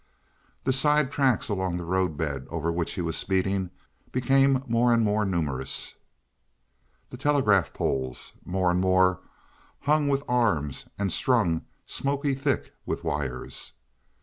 The side tracks along the road bed over which he was speeding became more and more numerous, the telegraph poles more and more hung with arms and strung smoky thick with wires.